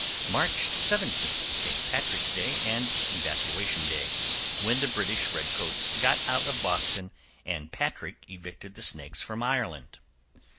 =MARCH 17, St. Patrick's Day and Evacuation Day=, when the British redcoats got out of Boston and Patrick evicted the snakes from Ireland.